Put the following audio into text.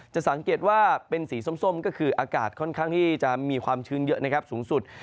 จะสังเกตว่าเป็นสีส้มก็คืออากาศค่อนข้างที่จะมีความชื้นเยอะนะครับสูงสุด